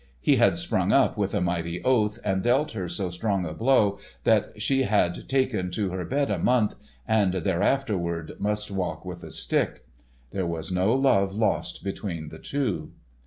He had sprung up with a mighty oath, and dealt her so strong a blow that she had taken to her bed a month, and thereafterward must walk with a stick. There was no love lost between the two.